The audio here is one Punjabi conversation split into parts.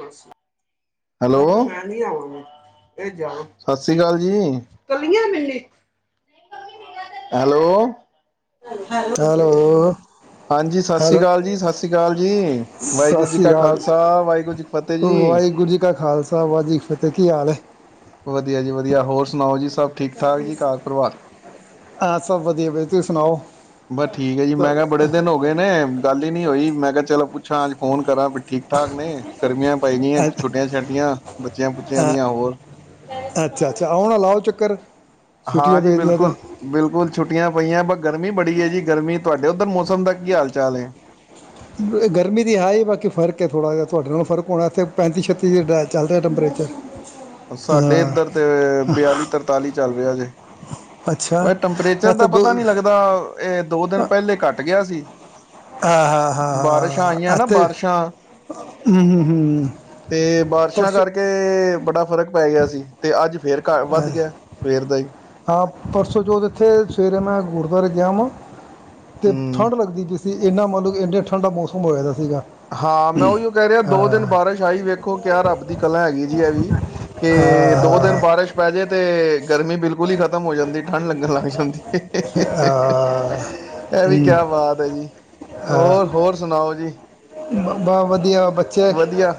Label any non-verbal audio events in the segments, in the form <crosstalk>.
ਮਾਸੀ ਹੈਲੋ ਸਤ ਸ੍ਰੀ ਅਕਾਲ ਜੀ ਹੈਲੋ ਹੈਲੋ ਹਾਂਜੀ ਸਤਿ ਸ਼੍ਰੀ ਹੈਲੋ ਅਕਾਲ ਜੀ ਸਤਿ ਸ਼੍ਰੀ ਅਕਾਲ ਜੀ ਸਤਿ ਵਾਹਿਗੁਰੂ ਜੀ ਸ੍ਰੀ ਕਾ ਅਕਾਲ ਖਾਲਸਾ ਵਾਹਿਗੁਰੂ ਜੀ ਕੀ ਫਤਿਹ ਜੀ ਵਾਹਿਗੁਰੂ ਜੀ ਕਾ ਖਾਲਸਾ ਵਾ ਜੀ ਕੀ ਫਤਿਹ ਕੀ ਹਾਲ ਹੈ ਵਧੀਆ ਜੀ ਵਧੀਆ ਹੋਰ ਸੁਣਾਓ ਜੀ ਸਭ ਠੀਕ ਠਾਕ ਜੀ ਕਾਰ ਪਰਿਵਾਰ ਹਾਂ ਸਭ ਵਧੀਆ ਵਧੀਆ ਤੁਸੀਂ ਸੁਣਾਓ ਬਸ ਠੀਕ ਹੈ ਜੀ ਮੈਂ ਕਿਹਾ ਬੜੇ ਦਿਨ ਹੋ ਗਏ ਨੇ ਗੱਲ ਹੀ ਨਹੀਂ ਹੋਈ ਮੈਂ ਕਿਹਾ ਚਲੋ ਪੁੱਛਾਂ ਅੱਜ ਫੋਨ ਕਰਾਂ ਵੀ ਠੀਕ ਠਾਕ ਨੇ ਗਰਮੀਆਂ ਪੈ ਗਈਆਂ ਛੋੱਟੀਆਂ ਛੋਟੀਆਂ ਬੱਚਿਆਂ ਬੱਚਿਆਂ ਦੀਆਂ ਹੋਰ ਅੱਛਾ ਅੱਛਾ ਆਉਣਾ ਲਾਓ ਚੱਕਰ ਹਾਂ ਛੁੱਟੀਆਂ ਜੀ ਪੈਦੀਆਂ ਬਿਲਕੁਲ ਬਿਲਕੁਲ ਛੁੱਟੀਆਂ ਪਈਆਂ ਬ ਗਰਮੀ ਬੜੀ ਹੈ ਜੀ ਗਰਮੀ ਤੁਹਾਡੇ ਉੱਧਰ ਮੌਸਮ ਦਾ ਕੀ ਹਾਲ ਚਾਲ ਹੈ ਗਰਮੀ ਦੀ ਹੈ ਹੀ ਬਾਕੀ ਫ਼ਰਕ ਥੋੜ੍ਹਾ ਜਿਹਾ ਤੁਹਾਡੇ ਨਾਲ਼ ਫਰਕ ਹੋਣਾ ਇੱਥੇ ਪੈਂਤੀ ਛੱਤੀ ਜ ਡ ਚੱਲ ਰਿਹਾ ਟੈਂਪਰੇਚਰ ਸਾਡੇ ਹਾਂ ਇੱਧਰ ਤੇ ਬਿਆਲੀ ਤਰਤਾਲੀ ਚੱਲ ਰਿਹਾ ਜੇ ਅੱਛਾ ਉਹ ਟੈਂਪਰੇਚਰ ਦਾ ਇੱਥੇ ਦੋ ਪਤਾ ਨੀ ਲੱਗਦਾ ਇਹ ਦੋ ਦਿਨ ਪਹਿਲੇ ਘੱਟ ਗਿਆ ਸੀ ਹਾਂ ਹਾਂ ਬਾਰਿਸ਼ਾਂ ਹਾਂ ਹਾਂ ਆਈਆਂ ਨਾ ਇੱਥੇ ਹੂੰ ਬਾਰਿਸ਼ਾਂ ਹੂੰ ਹੂੰ ਤੇ ਬਾਰਸ਼ਾਂ ਪਰਸੋਂ ਕਰਕੇ ਬੜਾ ਫ਼ਰਕ ਪੈ ਗਿਆ ਸੀ ਤੇ ਅੱਜ ਫੇਰ ਘ ਵੱਧ ਗਿਆ ਸਵੇਰ ਦਾ ਹੀ ਹਾਂ ਪਰਸੋਂ ਜੋਤ ਇੱਥੇ ਸਵੇਰੇ ਮੈਂ ਗੁਰਦੁਆਰੇ ਗਿਆ ਵਾਂ ਤੇ ਹਮ ਠੰਢ ਲੱਗਦੀ ਜ ਅਤੇ ਇੰਨਾ ਮਤਲਬ ਇੰਨੇ ਠੰਡਾ ਮੌਸਮ ਹੋਇਆ ਸੀ ਹਾਂ ਮੈਂ ਉਹੀਓ ਕਹਿ ਰਿਹਾ ਦੋ ਦਿਨ ਬਾਰਿਸ਼ ਆਈ ਵੇਖੋ ਕਿਆ ਰੱਬ ਦੀ ਕਲਾ ਹੈਗੀ ਜੀ ਐ ਵੀ ਕਿ ਦੋ ਦਿਨ ਅਹ, ਬਾਰਿਸ਼ ਪੈ ਜਾੇ ਤੇ ਗਰਮੀ ਬਿਲਕੁਲ ਹੀ ਖ਼ਤਮ ਹੋ ਜਾਂਦੀ ਠੰਢ ਲੱਗਣ ਲੱਗ ਜਾਂਦੀ ਅਹ, ਇਹ ਵੀ ਕਿਆ ਬਾਤ ਹੈ ਜੀ ਹੋਰ ਹੋਰ ਸੁਣਾਓ ਜੀ ਬਹੁ ਵਧੀਆ ਬੱਚੇ ਵਧੀਆ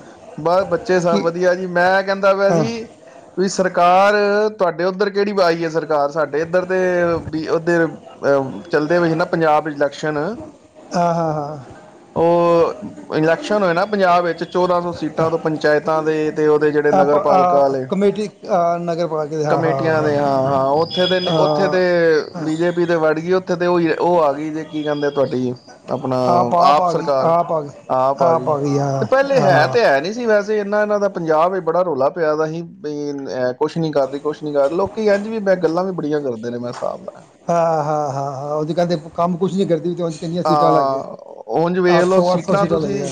ਬਸ ਬੱਚੇ ਸਭ ਕੀ ਵਧੀਆ ਜੀ ਮੈਂ ਕਹਿੰਦਾ ਵੈ ਅਹ, ਸੀ ਵੀ ਸਰਕਾਰ ਤੁਹਾਡੇ ਉੱਧਰ ਕਿਹੜੀ ਆਾਈ ਹੈ ਸਰਕਾਰ ਸਾਡੇ ਇੱਧਰ ਅਤੇ ਵੀ ਉਹਦੇ ਚੱਲਦੇ ਪਏ ਸੀ ਨਾ ਪੰਜਾਬ ਇਲੈਕਸ਼ਨ ਹਾਂ ਹਾਂ ਹਾਂ ਉਹ ਇ ਸ਼ਨ ਹੋ ਨਾ ਪੰਜਾਬ ਵਿੱਚ ਚੋਦਾਂ ਸੌ ਸੀਟਾਂ ਤੋਂ ਪੰਚਾਇਤਾਂ ਦੇ ਤੇ ਉਹਦੇ ਜਿਹੜੇ ਆਪ ਨਗਰ ਪਾਲਿਕਾ ਆ, ਵਾਲੇ ਕਮੇਟੀ ਆ, ਨਗਰ ਪਾ ਕੇ ਹਾਂ ਹਾਂ ਕਮੇਟੀਆਂ ਦੇ ਹਾਂ ਹਾਂ ਉੱਥੇ ਦੇ ਉੱਥੇ ਦੇ ਅਹ, ਬੀਜੇਪੀ ਦੇ ਵੜ ਗਈ ਇੱਥੇ ਤੇ ਉ ਉਹ ਆ ਗਈ ਜੇ ਕੀ ਕਹਿੰਦੇ ਤੁਹਾਡੀ ਜੀ ਆ ਪਾ ਪਾ ਗਈ ਆ ਪਾ ਗਈ ਆ ਪਾ ਗਈ ਤੇ ਹਾਂ ਪਹਿਲੇ ਹੈ ਹਾਂ ਤੇ ਹੈ ਨੀ ਸੀ ਬਸ ਇਹਨਾ ਇਹਨਾਂ ਦਾ ਪੰਜਾਬ ਬੜਾ ਰੌਲਾ ਪਿਆ ਦਾ ਸੀ ਬਈ ਅ ਕੁਛ ਨੀ ਕਰ ਰਹੀ ਕੁਛ ਨੀ ਕਰ ਰਹੀ ਲੋਕੀ ਇੰਝ ਵੀ ਮੈਂ ਗੱਲਾਂ ਵੀ ਬੜੀਆਂ ਕਰਦਾ ਹਾਂ ਹਾਂ ਹਾਂ ਹਾਂ ਉਹਦੇ ਕਹਿੰਦੇ ਕੰਮ ਕੁਛ ਨੀ ਕਰਦੀ ਵੀ ਹਾਂ ਉਝ ਵੇਖ ਲਓ ਸੀਟਾਂ ਤੁਸੀਂ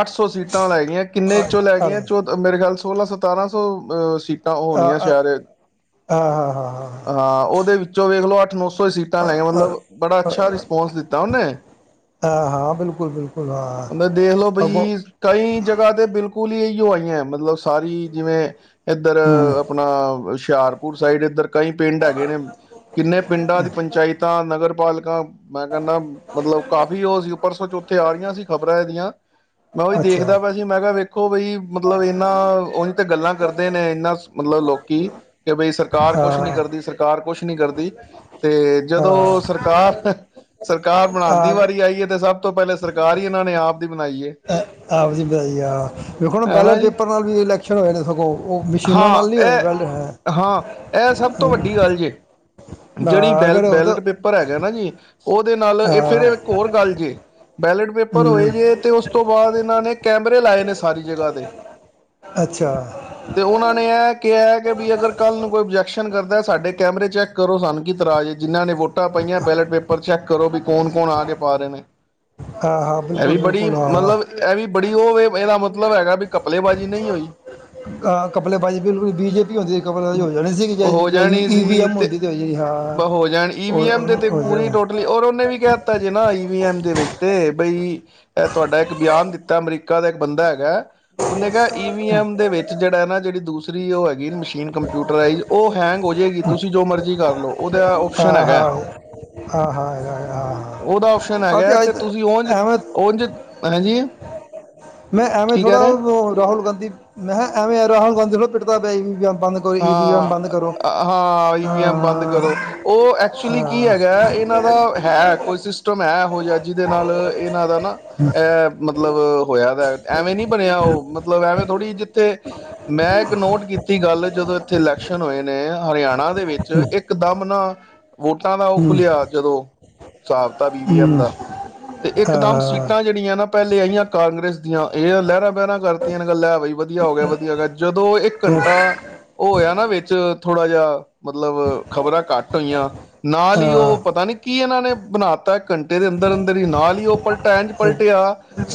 ਅੱਠ ਸੌ ਸੀਟਾਂ ਲੈ ਗਈਆਂ ਕਿੰਨੇ ਆ ਚੋਂ ਲੈ ਆ ਗਈਆਂ ਚ ਆ ਮੇਰੇ ਖਲ ਸੋਲਾਂ ਸਤਾਰਾਂ ਸੌ ਅਹ ਤਾਂ ਹੋ ਨ ਆ ਸ਼ਹਿਰ ਹਾਂ ਹਾਂ ਹਾਂ ਹਾਂ ਉਹਦੇ ਵਿੱਚੋਂ ਵੇਖ ਲੋ ਸੀਟਾਂ ਲੈਆਂ ਮਤਲਬ ਬੜਾ ਅੱਛਾ ਰਿਸਪਾਂਸ ਦਿੱਤਾ ਹਾਂ ਹਾਂ ਬਿਲਕੁਲ ਬਿਲਕੁਲ ਹਾਂ ਉਹਦਾ ਦੇਖ ਲਓ ਅੱਗੋਂ ਬਈ ਕਈ ਜਗ੍ਹਾ ਤੇ ਬਿਲਕੁ ਬਿਲਕੁਲ ਹੀ ਇਹੀ ਹੋ ਆਈਆਂ ਮਤਲਬ ਸਾਰੀ ਜਿਵੇਂ ਇੱਧਰ ਹਮ, ਆਪਣਾ ਹੁਸ਼ਿਆਪੁਰ ਸਡ ਇੱਧਰ ਕਈ ਪਿੰਡ ਹੈਗੇ ਨੇ ਕਿੰਨੇ ਪਿੰਡਾਂ ਦੀ ਪੰਚਾਇਤਾਂ ਨਗਰ ਪਾਲਕਾਂ ਮੈਂ ਕਰ ਮਤਲਬ ਕਾਫੀ ਉਹ ਸੀ ਉੱਪਰ ਸ ਤਿਆਰੀਆਂ ਸੀ ਖ਼ਬਰਾਂ ਇਹਦੀਆਂ ਮੈਂ ਉਹੀ ਅੱਛਾ ਦੇਖਦਾ ਪਾ ਸੀ ਮੈਂ ਕਿਹਾ ਵੇਖੋ ਬਈ ਮਤਲਬ ਇਹਨਾ ਉਹਨ ਤੇ ਗੱਲਾਂ ਕਰਦੇ ਨੇ ਇਨਾ ਮਤਲਬ ਲੋਕੀ ਕਿ ਬਈ ਸਰਕਾਰ ਕੁਛ ਨੀ ਹਾਂ ਕਰਦੀ ਸਰਕਾਰ ਕੁਛ ਨੀ ਕਰਦੀ ਤੇ ਜਦੋਂ ਹਾਂ ਸਰਕਾਰ ਕਾਰ ਬਣਾਉਣ ਦੀ ਆ ਵਾਰੀ ਆਈ ਹੈ ਸਭ ਤੋਂ ਪਹਿਲੇ ਸਰਕਾਰ ਹੀ ਇਹਨਾਂ ਨੇ ਆਪ ਦੀ ਬਣਾਈ ਆਪਦੀ ਵਧਾਈ ਆ ਵਖੋ ਨਾ ਹਨਾ ਬੈਲਟ ਜੀ ਪੇਪਰ ਨਾਲ ਵੀ ਇਲੈਕਸ਼ਨ ਹੋਏ ਨੇ ਸ ਕੋਲ ਉਹ ਮਸ਼ੀਨਾਂ ਨਾਲ ਹਾਂ ਨੀ ਹੋਏ ਬੈਲਟ ਹੈ ਇਹ ਹਾਂ ਇਹ ਸਭ ਤੋਂ ਵੱਡੀ ਗੱਲ ਜੇ ਜਿਹੜੀ ਬੈਲ ਅਗਰ ਉਹ ਤਾਂ ਬੈਲਟ ਪੇਪਰ ਹੈਗਾ ਨਾ ਜੀ ਉਹਦੇ ਨਾਲ ਇਹ ਫਿਰ ਇੱਕ ਅ, ਹੋਰ ਗੱਲ ਜੇ ਬੈਲੇਟ ਪੇਪਰ ਹਮ, ਹੋਏ ਜੇ ਤੇ ਉਸ ਤੋਂ ਤੋਂ ਬਾਅਦ ਇਹਨਾਂ ਨੇ ਕੈਮਰੇ ਲਾਏ ਨੇ ਸਾਰੀ ਜਗ੍ਹਾ ਤੇ ਅੱਛਾ ਤੇ ਉਹਨਾਂ ਨੇ ਇਹ ਕਿਹਾ ਕਿ ਵੀ ਅਗਰ ਕੱਲ੍ਹ ਨੂੰ ਕੋਈ ਓਬਜੈਕਸ਼ਨ ਕਰਦਾ ਸਾਡੇ ਕੈਮਰੇ ਚੈੱਕ ਕਰੋ ਸਨ ਕਿ ਤਰਾਜੇ ਜਿਨ੍ਹਾਂ ਨੇ ਵੋਟਾਂ ਪਾਈਆਂ ਬੈਲਟ ਪੇਪਰ ਚੈੱਕ ਕਰੋ ਵੀ ਕੌਣ ਕੌਣ ਆ ਕੇ ਪਾ ਰਹੇ ਨੇ ਹਾਂ ਹਾਂ ਇਹ ਵੀ ਬਿਲਕੁਲ ਬੜੀ ਬਿਲਕੁਲ ਮਤਲਬ ਇਹ ਵੀ ਬੜੀ ਉਹਵੇ ਇਹਦਾ ਮਤਬ ਹਾਂ ਕੱਪੜਜਪੀ ਬੀਜੇਪੀ ਹੁੰਦੀ ਕਪ ਹੋ ਜਾਣੇ ਹੋ ਜਾਣੀ ਸੀਗੀ ਈਵ ਸੀ ਐਮ ਹੁੰਦੀ ਤੇ ਜਾਣੀ ਹਾਂ ਜਾ ਲਈ ਔਰ ਉਹਨੇ ਵੀ ਕਹਿ ਦਿੱਤਾ ਜੇ ਨਾ ਈਵ ਐਮ ਦੇ ਵਿੱਚ ਤੇ ਬਈ ਇਹ ਤੁਹਾਡਾ ਇੱਕ ਬਿਆਨ ਦਿੱਤਾ ਅਮਰੀਕਾ ਨਕਾ ਦਾ ਇੱਕ ਬੰਦਾ ਹੈਗਾ ਉਹਨੇ ਕਿਹਾ ਈਵੀ ਐਮ ਦੇ ਵਿੱਚ ਜਿਹੜਾ ਨਾ ਜਿਹੜੀ ਦੂਸਰੀ ਉਹ ਹੈਗੀ ਮਸ਼ੀਨ ਕੰਪਿਊਟਰਾਈਜ਼ ਉਹ ਹੈਂਗ ਹੋਈ ਜਾਗੀ ਤੁਸੀਂ ਜੋ ਮਰਜ਼ੀ ਕਰ ਲਓ ਉਹਦਾ ਆਪਓਪਸ਼ਨ ਹਾਂ ਹੈਗਾ ਹਾਂ ਹਾਂ ਹਾਂ ਹਾਂ ਉਹਦਾ ਆਪਪਸ਼ਨ ਹਾਂ ਹੈਗਾ ਤੇ ਅੱਜ ਤੁਸੀਂ ਉਂਝ ਐਵੇਂ ਉਂਝ ਪਰਜੀੀ ਮੈਂ ਐਵੇਂ ਥੋੜ੍ਹਾ ਰਾਹੁਲ ਗਾਂਧੀ ਮੈਂ ਕਿਹਾ ਐਵੇ ਰਾਹੁਲ ਗਾਂਧੀ ਥੋੜਾ ਪਿੱਟ ਦਾ ਪੈ ਹਾਂ ਹਾਂ ਈਵ ਐਮ ਬੰਦ ਕਰੋ ਹਾਂ ਉਹ ਐਕਚੁਲੀ ਕੀ ਹਾਂ ਹੈਗਾ ਇਹਨਾਂ ਦਾ ਹੈ ਕੋਈ ਸਿਸਟਮ ਹੈ ਹੋ ਜਾ ਜਿਹਦੇ ਨਾਲ ਇਹਨਾਂ ਦਾ ਅਹ ਮਤਲਬ ਮਤਲਬ ਹੋਇਆ ਐਵੇਂ ਨੀ ਬਣਿਆ ਉਹ ਮਤਲਬ ਐਵੇਂ ਥੋੜ੍ਹੀ ਜਿਹੀ ਜਿੱਥੇ ਮੈਂ ਇੱਕ ਨੋਟ ਕੀਤੀ ਗੱਲ ਜਦੋਂ ਇੱਥੇ ਇਲੈਕਸ਼ਨ ਹੋਏ ਨੇ ਹਰਿਆਣਾ ਦੇ ਵਿੱਚ ਇੱਕ ਦਮ ਨਾ ਵੋਟਾਂ ਦਾ ਉਹ ਹਮ, ਖੁੱਲਲਿਆ ਜਦੋਂ ਹਾਬਤਾ ਬੀਵੀ ਐਮ ਹਮ, ਦਾ ਤੇ ਇਕਦਮ ਹਾਂ, ਸੀਟਾਂ ਜਿਹੜੀਆਂ ਨਾ ਪਹਿਲੇ ਆਈਆਂ ਕਾਂਗਰਸ ਦੀਆਂ ਇਹ ਲਹਿਰਾਂ ਪੈਰਾਂ ਕਰਤੀਆਂ ਨੇ ਗੱਲਾਂ ਹੈ ਬਾਈ ਵਧੀਆ ਹੋ ਗਿਆ ਵਧੀਆ ਹੈ ਜਦੋਂ ਇੱਕ ਉਹ, ਘੰਟਾ ਹੋਇਆ ਨਾ ਵਿੱਚ ਥੋੜਾ ਜਿਹਾ ਮਤਲਬ ਖ਼ਬਰਾਂ ਘੱਟ ਹੋਈਆਂ ਨਾਲ ਹੀ ਹਾਂ, ਉਹ ਪਤਾ ਨੀ ਕੀ ਇਹਨਾਂ ਨੇ ਬਣਾ ਤਾ ਘੰਟੇ ਦੇ ਅੰਦਰ ਅੰਦਰ ਹੀ ਨਾਲ ਹੀ ਉਹ ਪਲਟੈਣ ਚ ਪਲਟਿਆ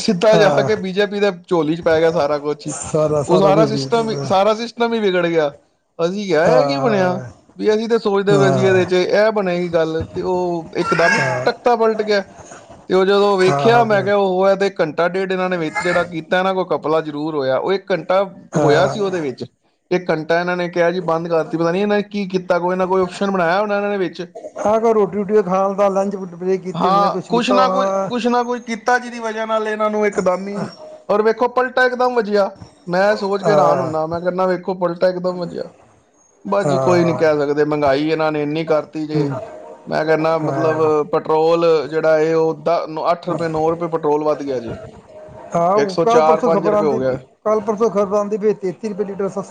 ਸਿੱਧਾ ਜਿਹਾ ਹਾਂ, ਕੇ ਬੀਜੇਪੀ ਦੇ ਝੋਲੀ ਚ ਪੈ ਗਿਆ ਸਾਰਾ ਕੁਛ ਹੀ ਸਾਰਾ ਉਹ ਸਾਰਾ ਕੁਝ ਵੀ ਸਿਸਟਮ ਹਾਂ ਸਾਰਾ ਸਿਸਟਮ ਵੀ ਵਿਗੜ ਗਿਆ ਅਸੀਂ ਇਹ ਹੈ ਕੀ ਬਣਿਆ ਹਾਂ ਵੀ ਅਸੀਂ ਤੇ ਸੋਚਦੇ ਵੀ ਅਸੀਂ ਹਾਂ ਇਹਦੇ ਚ ਇਹ ਬਣੇਗੀ ਗੱਲ ਤੇ ਉਹ ਇੱਕਦਮ ਹੀ ਟੱਕਤਾ ਪਲਟ ਗਿਆ ਤੇ ਉਹ ਜਦੋਂ ਵੇਖਿਆ ਮੈਂ ਹਾਂ ਕਿਹਾ ਉਹ ਹੈ ਤੇ ਕੰਟਾ ੇਡ ਇਹਨਾਂ ਨੇ ਵਿੱਚ ਜਿਹੜਾ ਕੀਤਾ ਇਹਨਾਂ ਕੋਈ ਕੱ ਲਾ ਜ਼ਰੂਰ ਹੋਇਆ ਉਹ ਇੱਕ ਘੰਟਾ ਹੋਇਆ ਸੀ ਉਹਦੇ ਵਿੱਚ ਇਹ ਕੰ ਟਨ ਨੇ ਕਿਹਾ ਜੀ ਬੰਦ ਕਰਤੀ ਪਤਾ ਨੀ ਇਹਨਾਂ ਨੇ ਕੀ ਕੀਤਾ ਕੋਈ ਨਾ ਕੋਈ ਓਪਸ਼ਨ ਬਣਾਇਆ ਉਹਨਾਂ ਇਹਨਾਂ ਨੇ ਵਿੱਚ ਆ ਕੋ ਰੋਟੀ ਰੋਟੀ ਖਾਣ ਦਾ ਲੰਚ ਬ੍ਰੇਕ ਕੀਤੀ ਹੋਣੀ ਜਾਂ ਹਾਂ ਕੁਝ ਕੁਛ ਕੀਤਾ ਨਾ ਹੋਣਾ ਕੁਛ ਕੁਛ ਨਾ ਕੁਛ ਕੀਤਾ ਜਿਹਦੀ ਵਜ੍ਹਾ ਨਾਲ ਇਹਨਾਂ ਨੂੰ ਇਕਦਮ ਹੀ ਔਰ ਵੇਖੋ ਪਲਟ ਇਕਦਮ ਵਧੀਆ ਮੈਂ ਸੋਚ ਕੇ ਆਾਨ ਹਾਂ ਹੁੰਦਾ ਮੈਂ ਕਹਿੰਦਾ ਵੇਖੋ ਪੁਲ ਬਾਸ ਜੀ ਕੋਈ ਨੀ ਹਾਂ ਕਹਿ ਸਕਦੇ ਮਹਿੰਗਾਈ ਇਹਨਾਂ ਨੇ ਇੰਨੀ ਕਰਤੀ ਜੇ ਹਮ, ਮੈਂ ਕਹਿੰਦਾ ਹਾਂ ਮਤਲਬ ਪੈਟਰੋਲ ਲ ਜਿਹੜਾ ਇਹ ਉਹ ਅੱਠ ਰੁਪਏ ਨੌ ਰੁਪਏ ਪੈਟਰੋਲ ਵੱਧ ਗਿਆ ਜੇ ਇੱਕ ਹਹ ਸੌ ਕੱਲ੍ਹ ਚਾਰ ਪਰਸੋਂ ਪੰਜ ਖਬਰ ਰੁਪਏ ਹੋ ਆਉਂਦੀ ਗਿਆ ਕੱਲ੍ਹ ਪਰਸੋਂ ਖ਼ਬਰ ਆਉਂਦੀ ਬ ਤੇਤੀ ਰੁਪਏ ਦੀ ਡਰੱਸਾਂ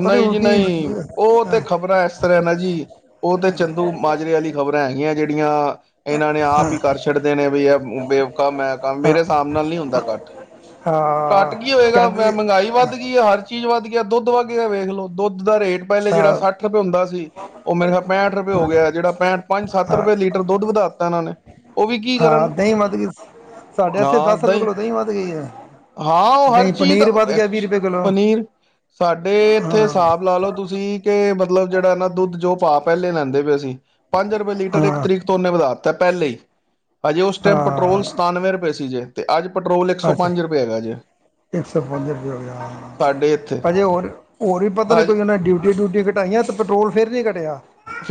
ਨਹੀਂ ਜੀ ਨਹੀਂ ਉਹ ਤੇ ਖ਼ਬਰਾਂ ਇਸ ਤਰ੍ਹਾਂ ਨਾ ਜੀ ਉਹ ਤੇ ਚੰਦੂ ਮਾਜਰੇ ਵਾਲੀ ਖ਼ਬਰਾਂ ਹੈਗੀਆਂ ਜਿਹੜੀਆਂ ਆਪੜੀਆਂ ਇਹਨਾਂ ਨੇ ਆਪ ਹੀ ਕਰ ਛੱਡਦੇ ਨੇ ਵੀ ਇਹ <inaudible> ਮੈਂ ਕੰਮ ਹਾਂ ਮੇਰੇ ਹਿਸਾਬ ਨਾਲ ਨਹੀਂੀ ਹੁੰਦਾ ਅੱਠ ਘੱਟ ਕੀ ਹੋਏਗਾ ਕਹਿੰਦੇ ਮਹਿੰਗਾਈ ਵੱਧ ਗਈ ਹੈ ਹਰ ਚੀਜ਼ ਵੱ ਗਿਆ ਦੁੱਧੱਧ ਗਿਆ ਵਖ ਲ ਲੋ ਦੁੱਧ ਦੁੱਧ ਦਾ ਰੇਟ ਪਹਿਲੇ ਜਿਹੜਾ ਹਾਂ ਸੱਠ ਰੁਪਏ ਹੁੰਦਾ ਸੀ ਉਹ ਮੇਰੇ ਪਹਠ ਰੁਪਏ ਹੋ ਗਿਆ ਜਿਹੜਾ ਪੈਂਹਠ ਪੰਜ ਸੱਤ ਹਾਂ ਰੁਪਏ ਲੀਟਰ ਦੁੱਧ ਵਧਾ ਦਿੱਤਾ ਇਹਨਾਂ ਨੇ ਉਹ ਵੀ ਕੀ ਹਾਂ ਕਰਨ ਦਹੀਂ ਵੱਧ ਗਈ ਸਾਡੇ ਇੱਥੇ ਦਸ ਰੁਪਏ ਕਿੱਲੋ ਦਹੀਂ ਵੱਧ ਗਈ ਹੈ ਹਾਂ ਉਹ ਹਰ ਦਹੀਂ ਚੀਜ਼ ਦਾ ਪਨੀਰ ਵੱਧ ਗਿਆ ਵੀਹ ਐਕਸ ਰੁਪਏ ਕਿੱਲੋ ਪਨੀਰ ਸਾਡੇ ਇੱਥੇ, ਹਿਸਾਬ ਲਾ ਲਓ ਤੁਸੀਂ ਕਿ ਮਤਲਬ ਜਿਹੜਾ ਨਾ ਦੁੱਧ ਜੋ, ਭਾ ਪਹਿਲੇ ਲੈਂਦੇ ਪਏ ਅਸੀਂ ਪੰਜ ਰੁਪਏ ਲੀਟਰ, ਇੱਕ ਹਾਂ ਤਰੀਕ ਤੋਂ ਨੇ ਵਧਾ ਦਿੱਤਾ ਤਾਂ ਪਹਿਲੇਈ ਹੀ ਹਾਂਜੀ ਉਸ ਟਾਈਮ ਪੈਟਰੋਲ ਹਾਂ ਸਤਾਨਵੇਂ ਰੁਪਏ ਸੀ ਜੇ ਅਤੇ ਅੱਜ ਪੈਟਰੋਲ ਇੱਕ ਸੌ ਅੱਛਾ ਪੰਜ ਰੁਪਏ ਹੈਗਾ ਜੇ ਸਾਡੇ ਹਜੇ ਹੋਰ, ਹੋਰ ਵੀ ਪਤਾ ਨਹੀਂ ਹਜੇ ਕੋਈ, ਉਹ ਨੇ ਡਿਊਟੀ ਡਿਊਟੀ ਘਟਾਈਆਂ ਅਤੇ ਪੈਟਰੋਲ ਫਿਰ ਨਹੀਂ ਘਟਿਆ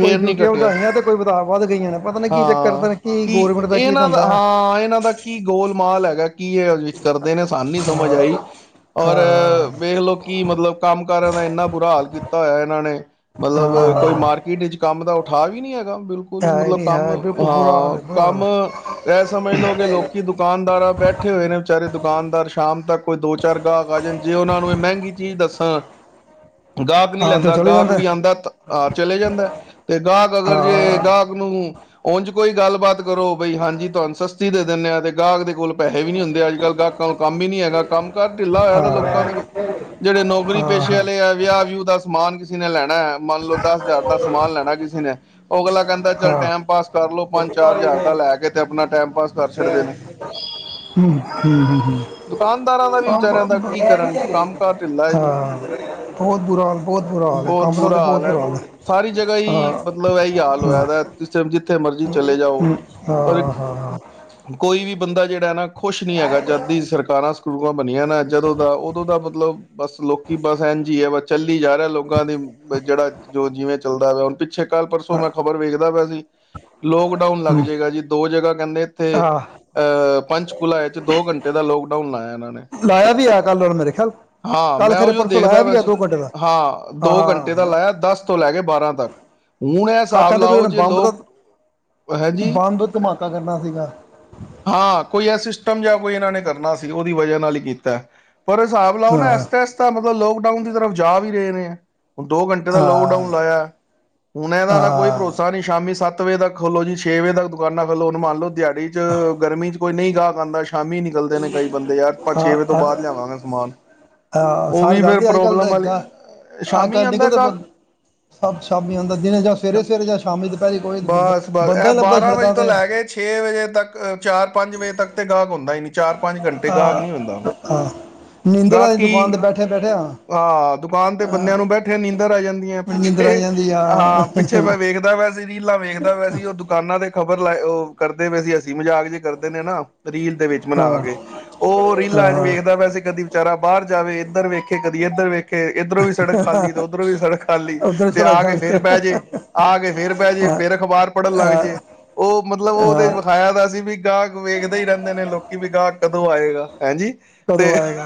ਕੋਈ ਨਹੀਂ ਡਿਊਟੀਆਂ ਘਟਿਆ ਵਧਾਈਆਂ ਤੇ ਕੋਈ ਵੱਧ ਗਈਆਂ ਨੇ ਪਤਾ ਨਹੀਂ ਕੀ ਚੱਕਰ ਹਾਂ, ਤਾਂ ਕੀ ਕਿ ਗੌਰਮੈਂਟ ਕੀ ਇਹਨਾਂ ਦਾ, ਧੰਦਾ ਹੈ ਹਾਂ ਇਹਨਾਂ ਦਾ ਕੀ ਗੋਲ ਮਾਲ ਹੈਗਾ ਕੀ ਇਹ ਵਿੱਚ ਕਰਦੇ ਨੇ ਸਾਨੂੰ ਨੀ ਸਮਝ ਆਈ, ਔਰ ਹਾਂ ਵੇਖ ਲ ਕਿ ਮਤਲਬ ਕੰਮ ਕਾਰਾਂ ਦਾ ਇੰਨਾ ਬੁਰਾ ਹਾਲ ਕੀਤਾ ਹੋਇਆ, ਇਹਨਾਂ ਨੇ ਮਤਲਬ, ਕੋਈ ਹਾਂ ਮਾਰਕੀਟ ਵਿੱਚ ਕੰਮ ਦਾ ਉਠਾ ਵੀ ਨੀ ਹੈਗਾ <inaudible> ਬਿਲਕੁਲ ਵੀ ਹੈ ਹੀ ਮਤਲਬ ਨਹੀਂ ਕੰਮ, ਹੈ ਬਿਲਕੁਲ ਬੁਰਾ ਹਾਲ ਹਾਂ ਹੈ ਬੁਰਾ ਹਾਲ ਕੰਮ ਹੈ ਇਹ ਸਮਝ ਲਓ ਕਿ ਲੋਕ ਦੁਕਾਨਦਾਰਾਂ ਬੈਠੇ ਹੋਏ ਨੇ, ਵਿਚਾਰੇ ਦੁਕਾਨਦਾਰ ਸ਼ਾਮ ਤੱਕ ਕੋਈ ਦੋ ਚਾਰ ਗਾਹਕ ਆ ਜਾਣ, ਜੇ ਉਹਨਾਂ ਨੂੰ ਇਹ ਮਹਿੰਗੀ ਚੀਜ਼ ਦੱਸਣ ਗਾਹਕ ਨਹੀਂ ਹਾਂ ਤੇ ਲੈਂਦਾ ਚਲੇ ਗਾਹਕ ਜਾਂਦਾ ਵੀ ਆਉਂਦਾ, ਆਹ ਚਲੇ ਜਾਂਦਾ ਤੇ ਗਾਹਕ ਅਗਰ ਜੇ ਹਾਂ ਗਾਹਕ ਨੂੰ ਉੰਜ ਕੋਈ ਗੱਲਬਾਤ ਕਰੋ, ਬਈ ਹਾਂਜੀ ਤੁਹਾਨੂੰ ਸਸਤੀ ਦੇ ਦਿੰਦੇ ਆ, ਤੇ ਗਾਹਕ ਦੇ ਕੋਲ ਪੈਸੇ ਵੀ ਨੀ ਹੁੰਦੇ ਅੱਜ -ਕੱਲ ਗ ਕੰਮ ਵੀ ਨੀ ਹੈਗਾ, ਕੰਮ ਕਾਰ ਢਿੱਲਾ ਹਾਂ ਹੋਇਆ, ਲੋਕਾਂ ਦੇ ਵੀ ਹਾਂ ਜਿਹੜੇ ਨੌਕਰੀ ਪੇਸ਼ੇ ਹਾਂ ਵਾਲੇ ਆ, ਵਿਆਹ ਵਿਊ ਦਾ ਸਮਾਨ <inaudible> ਮੰਨ ਲਓ ਦਸ ਹਜ਼ਾਰ ਦਾ ਸਮਾਨ ਲੈਣਾ ਕਿਸੇ ਨੇ, ਅਗਲਾ ਕਹਿੰਦਾ ਚੱਲ ਹਾਂ ਟੈਮ ਟਾਈਮ ਪਾਸ ਕਰ ਛੱਡਦੇ ਨੇ ਦੁਕਾਨਦਾਰਾਂ ਦਾ ਵੀ ਵਿਚਾਰਿਆਂ ਦਾ ਕੀ ਕਰਨ ਕੰਮ ਕਾਰ ਢਿੱਲਾ ਹੈ ਜੀ ਹਾਂ, ਬਹੁਤ ਬੁਰਾ ਹਾਲ ਬਹੁਤ ਬੁਰਾ ਹਾਲ ਹੈ ਕ ਬਹੁਤ <unintelligible> ਬੁਰਾ ਸਾਰੀ ਜਗਾਈ, ਹੀ ਮਤਲਬ ਇਹੀ ਹਾਲ ਹਾਂ ਹੋਇਆਦਾ ਜਿੱਥੇ ਮਰਜ਼ੀ ਚਲੇ ਜਾਓ, ਹੂੰ, ਔਰ ਇੱਕ ਹਾਂ ਹਾਂ ਹਾਂ ਕੋ ਕੋਈ ਵੀ ਬੰਦਾ ਜਿਹੜਾ ਹੈ ਨਾ। ਖੁਸ਼ ਨੀ ਹੈਗਾ, ਜਦ ਦੀ ਸਰਕਾਰਾਂ ਬਣੀਆਂ ਨਾ ਜਦੋਂ ਦਾ ਉਦੋਂ ਦਾ ਮਤਲਬ, ਬਸ ਲੋਕੀ ਬਸ ਐਝ ਹੈ ਬਸ ਚੱਲ। ਚੱਲੀ ਜਾ ਰਿਹਾ ਲੋਕਾਂ ਦੀ ਜਿਹੜਾ ਜੋ ਜਿਵੇਂ ਚੱਲਦਾ। <inaudible> ਦਾ ਲੋਭੀ। <inaudible> ਪਿੱਛੇ ਕੱਲ ਪਰਸੋਂ ਮੈਂ ਖ਼ਬਰ ਵੇਖਦਾ ਪਿਆ ਸੀ। ਲੋਕਡਾਊਨ ਲੱਗ ਹੂੰ ਜਾਏਗਾ ਜੀ ਦੋ ਜਗ੍ਹਾ ਕਹਿੰਦੇ ਇੱਥੇ ਹਾਂ ਅਹ ਪੰਚਕੁਲਾ ਹੈ ਦੋ ਘੰਟੇ ਦਾ ਲੋਕਡਾਊਨ। ਲੋਕਡਾਊਨ ਲਾਇਆ ਨਾ। ਮੈਂ ਲਾਇਆ ਵੀ ਆ ਕੱਲ੍ਹ ਹੁਣ ਮੇਰੇ ਖਿਆਲ ਹਾਂ ਕੱਲ੍ਹ ਮੈਂ ਖਰੇ ਉਹ ਜੋ ਪਰਸੋਂ ਦੇਖਦਾ ਲਾਇਆ ਵੀ ਹੋਇਆ ਆ ਸੀ ਦੋ ਘੰਟੇ ਦਾ ਹਾਂ ਦੋ ਘੰਟੇ ਦਾ ਲਾਇਆ ਦਸ ਤੋਂ ਲੈ ਕੇ ਬਾਰਾਂ ਤੱਕ ਹੁਣ ਇਹ ਹਾਂ ਹਿਸਾਬ ਕਹਿੰਦੇ ਕੋਈ ਲਾਓ ਉਹਨੇ ਜੇ ਬੰਬ ਦਾ ਲੋਕ। ਹੈਂਜੀ। ਬੰਬ ਧਮਾਕਾ ਕਰਨਾ ਸੀਗਾ। ਹਾਂ ਕੋਈ ਇਹ ਸਿਸਟਮ ਜਾਂ ਕੋਈ ਇਹਨਾਂ ਨੇ ਕਰਨਾ ਸੀ ਉਹਦੀ ਵਜ੍ਹਾ ਨਾਲ ਹੀ ਕੀਤਾ। ਪਰ ਹਿਸਾਬ ਲਾਓ ਨਾ ਹਾਂ ਇਸਤਾ ਇਸਤਾ ਮਤਲਬ ਲੋਕ। ਲੋਕਡਾਊਨ ਦੀ ਤਰਫ਼ ਜਾ ਵੀ ਰਹੇ ਨੇ ਹੈ। ਹੁਣ ਦੋ ਘੰਟੇ ਦਾ ਹਾਂ ਲੋਕਡਾਊਨ ਲਾਇਆ ਹੁਣ ਇਹ ਦਾ ਤਾਂ ਕੋਈ ਭਰੋਸਾ ਨਹੀਂ ਸ਼ਾਮੀ ਸੱਤ। ਸੱਤ ਵਜੇ ਤੱਕ ਖੋਲੋ ਜੀ ਛੇ ਵਜੇ ਤੱਕ ਦੁਕਾਨਾਂ ਖੋਲਲੋ ਮੰਨ ਲੋ ਦਿਹਾੜੀ। ਚ ਗਰਮੀ ਚ। ਕੋਈ ਨਹੀਂ ਗਾਹਕ ਆਂਦਾ। ਸ਼ਾਮੀ ਨਿਕਲਦੇ ਨੇ ਕਈ ਬੰਦੇ ਯਾਰ ਆਪਾਂ ਛੇ ਵਜੇ ਤੋਂ ਹਾਂ ਬਾਅਦ ਲਿਆਵਾਂਗੇ ਸਮਾਨ ਹਾਂ ਉਹ ਸਾਰੇ ਵੀ ਫੇਰ ਜਾਂਦੇ ਅੱਜ ਕੱਲ੍ਹ ਪ੍ਰੋਬਲਮ ਵਾਲੀ ਏਦਾਂ ਅੱਜ ਸ਼ਾਮੀ ਕੱਲ੍ਹ ਆਉਂਦਾ ਨਿਕਲਦੇ ਗਾਹਕ ਬੰਦ ਸਭ ਸ਼ਾਮੀ ਆਉਂਦਾ ਦਿਨੇ ਜਾਂ ਸਵੇਰੇ ਸਵੇਰੇ ਜਾਂ ਸ਼ਾਮੀ ਦੁਪਹਿਰੇ ਕੋਈ ਬੰਦਾ ਬਸ ਬਸ ਬੰਦਾ ਇਹ ਹੀ ਲੱਭਦਾ ਬਾਰਾਂ ਵਜੇ ਸੜਕਾਂ ਤੋਂ ਤੇ ਲੈ ਹਾਂ ਕੇ ਛੇ ਵਜੇ ਤੱਕ। ਚਾਰ ਪੰਜ ਵਜੇ ਤੱਕ ਤੇ ਗਾਹਕ। ਹੁੰਦਾ ਨਹੀਂ। ਚਾਰ ਪੰਜ ਘੰਟੇ ਗਾਹਕ ਨਹੀਂ ਹੁੰਦਾ ਹਾਂ ਨੀਂਦਰ ਵਾਲੀ ਦੁਕਾਨ ਤੇ ਗਾਹਕੀ ਬੈਠੇ ਬੈਠੇ ਹਾਂ ਦੁਕਾਨ ਤੇ ਬੰਦਿਆਂ ਨੂੰ ਬੈਠੇ ਨੀਂਦਰ ਆ ਜਾਂਦੀਆਂ ਨਿੰਦਰ ਪਿੱਛੇ ਆਈ ਜਾਂਦੀ ਆ ਹਾਂ ਪਿੱਛੇ ਮੈਂ ਵੇਖਦਾ ਹੋਇਆ ਸੀ ਰੀਲਾਂ ਵੇਖਦਾ ਹੋਇਆ ਸੀ ਉਹ ਦੁਕਾਨਾਂ ਦੇ। ਖ਼ਬਰ ਲਾਏ ਉਹ ਕਰਦੇ ਪਏ ਸੀ। ਅਸੀਂ ਮਜ਼ਾਕ ਜੇ ਕਰਦੇ ਨੇ ਨਾ। ਰੀਲ ਦੇ ਵਿੱਚ ਹਾਂ ਮਨਾ ਕੇ ਉਹ ਰੀਲਾਂ ਚ ਹਾਂ ਵੇਖਦਾ ਪਇਆ ਸੀ ਕਦੀ ਵਿਚਾਰਾ ਬਾਹਰ ਜਾਵੇ। ਇੱਧਰ ਵੇਖ। ਕਿ ਕਦੀ ਇੱਧਰ ਵੇਖੇ ਇੱਧਰੋਂ ਵੀ ਸੜਕ ਖਾਲੀ ਤੇ ਉੱਧਰੋਂ ਵੀ ਸੜਕ ਖਾਲੀ ਉਧਰ ਤੇ ਛੜਾ ਆ ਖਾ ਕੇ ਫੇਰ ਲਿਆ ਬਹਿ ਜੇ ਆ ਕੇ ਫੇਰ ਬਹਿ ਜੇ ਫੇਰ ਅਖ਼ਬਾਰ ਪੜ੍ਹਨ ਲੱਗ ਜਏ ਉਹ ਮਤਲਬ ਉਹਦੇ। ਅਸੀਂ ਵੀ ਗਾਹਕ ਵੇਖਦੇ ਹੀ ਰਹਿੰਦੇ ਨੇ ਲੋਕੀ ਵੀ ਗਾਹਕ। ਕਦੋਂ ਆਏਗਾ। ਹੈਂਜੀ ਤੇ ਕਦੋਂ ਆਏਗਾ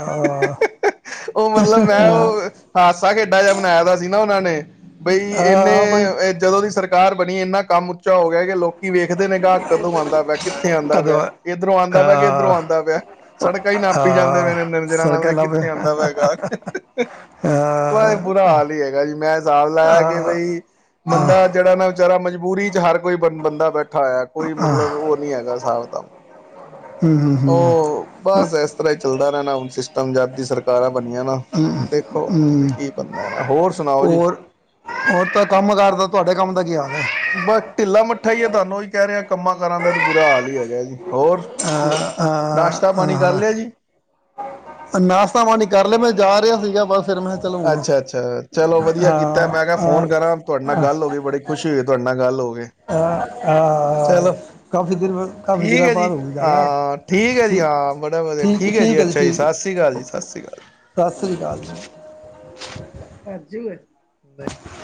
ਉਹ ਮਤਲਬ ਮੈਂ ਉਹ ਹਾਦਸਾ ਖੇਡਾ ਜਿਹਾ ਮਨਾਇਆ ਦਾ ਸੀ ਨਾ ਉਹਨਾਂ ਨੇ। ਬਈ ਇਹਨੇ ਆ ਕੋਈ ਜਦੋਂ ਦੀ ਸਰਕਾਰ। ਕਾਰ ਬਣੀ ਇੰਨਾ ਕੰਮ ਉੱਚਾ ਹੋ ਗਿਆ ਕਿ ਲੋਕ। ਕੀ ਵੇਖਦੇ ਨੇ ਗ ਕਦੋਂ ਆਉਂ ਕਿੱਥੇ ਆਉਂਦਾ ਕਦੋਂ ਪਿਆ ਇੱਧਰੋਂ ਆਉਂਦਾ ਆ ਪਿਆ ਕੇ ਇੱਧਰੋਂ ਆਉਂਦਾ ਪਿਆ ਸੜਕ ਹੀ ਨਾਪੀ ਜਾਂਦੇ ਪਏ ਆ ਨਜਾਂ ਸਰ ਨਾਲ ਕ ਵੀ ਲ ਹਮ ਕਿੱਥੇ ਆਉਂਦਾ ਪੈਗਾ ਉਹ ਇਹ ਹਮ ਬੁਰਾ ਹਾਲ ਹੀ ਹੈਗਾ ਜੀ ਮੈਂ ਹਿਸਾਬ ਲਾਇਆ ਕਿ ਬਈ ਬੰਦਾ ਜਿਹੜਾ ਨਾ ਵਿਚਾਰਾ ਮਜਬੂਰੀ ਚ ਹਰ ਕੋਈ ਬ ਬੰਦਾ ਬੈਠਾ ਹੋਇਆ ਕੋਈ ਮਤਲਬ ਉਹ ਨੀ ਹੈਗਾ ਹਿਸਾਬ ਤਾਂ ਹਮ ਉਹ ਬਸ ਇਸ ਤਰ੍ਹਾਂ ਹੀ ਚੱਲਦਾ ਨ- ਨਾ ਹੁਣ‌ ਸਿਸਟਮ ਜਦੀ ਸਰਕਾਰਾਂ ਬਣੀਆਂ ਨਾ ਹ ਹੁਣ ਦੇਖੋ ਹਮ ਕੀ ਬਣਦਾ ਨਾ ਹੋਰ ਸੁਣਾਓ ਜੀ ਹੋਰ ਹੋਰ ਤਾਂ ਕੰਮ ਕਾਰਦਾ ਤੁਹਾਡੇ ਕੰਮ ਦਾ ਕੀ ਹਾਲ ਹੈ? ਬਸ ਢਿੱਲਾ ਮੱਠਾ ਹੈਏ ਤੁਾਨੂੰ ਹੀ ਕਹਿ ਰਿਹਾ ਕੰਮਾਂ ਕਾਰਾਂ ਦਾ ਤਾਂ ਬੁਰਾ ਹਾਲ ਹੀ ਹੈਗਾ। ਹੋਰ ਹਾਂ-ਹਾਂ- ਨਾਸ਼ਤਾ ਪਾਣੀ ਕਰ ਹਾਂ ਲਿਆ ਜੀ ਨਾਸ਼ਤਾ ਮਣੀੀ ਕਰ ਲੈ ਮੈਂ ਜਾ ਰਿਹਾ ਸੀਗਾ ਬਸ ਫਿਰ ਮੈਂ ਚਲੋ ਹੁਣ ਅੱਛਾ-ਅੱਛਾ ਚਲੋ ਵਧੀਆ ਕੀਤਾ ਮੈਂ ਕਿਹਾ ਹਾਂ ਫੋਨ ਕਰਾਂ ਤੁਹਾਡੇ ਨਾਲ ਗੱਲ ਹੋ ਗਈ ਬੜੀ ਖੁਸ਼ੀ ਹੋਈ ਤੁਹਾਡੇ ਨਾਲ ਗੱਲ ਚਲੋ ਚਲੋ ਕਾਫੀ ਦਿਨ ਕਾਫੀ ਠੀਕ ਦਿਨਾਂ ਹੈ ਜੀ ਬਾਅਦ ਹੋਈ ਗੱਲ ਹੈ ਹਾਂ ਠੀਕ ਹੈ ਜੀ ਹਾਂ ਬੜਾ ਵਧਆ ਠੀਕ ਹੈ ਜੀ ਅੱਛਾ ਜੀ ਸਤਿ ਸ੍ਰੀ ਅਕਾਲ ਜੀ, ਸਤਿ ਸ਼੍ਰੀ ਅਕਾਲ! ਸਤਿ ਸ੍ਰੀ ਅਕਾਲ ਜੀ ਰਾਜੀ। <unintelligible>